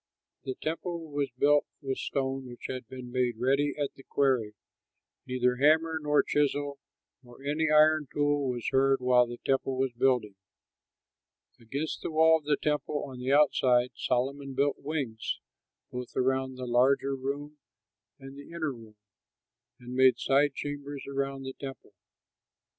The temple was built with stone which had been made ready at the quarry; neither hammer nor chisel nor any iron tool was heard while the temple was building. Against the wall of the temple on the outside Solomon built wings, both around the larger room and the inner room, and made side chambers around the temple.